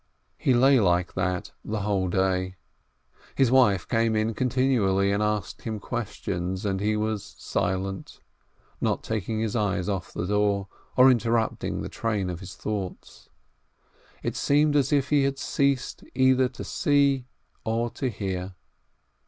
He lay like that the whole day. His wife came in continually, and asked him questions, and he was silent, not taking his eyes off the door, or interrupting the train of his thoughts. It seemed as if he had ceased either to see or to hear.